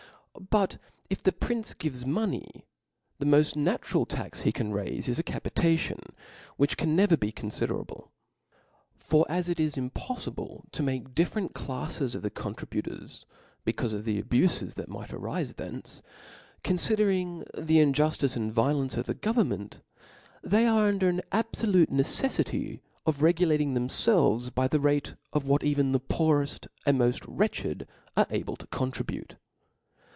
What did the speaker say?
But if the prince gives money, the molt natural tax he can raife is a capitation, ivhich can^ne^cr be confidcrable. Foras irjs im poflibld to make different clafles of the contribu tors^ 1bcc/|ufe of the abufes that might .^rife /rpip 7 thence, 3i8 T H E S P I R I T Book thence^ confidering the injuftice and violence of Cbaii^ic. ^^^ government, they are under an abfolute neceflity of regulating themfel ves by the race of what even the pooreft and moil wretched are able to contribute.